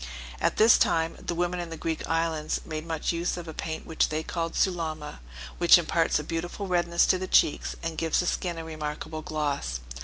At this time the women in the Greek islands make much use of a paint which they call Sulama, which imparts a beautiful redness to the cheeks, and gives the skin a remarkable gloss.